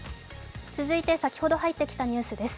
続いて先ほど入ってきたニュースです。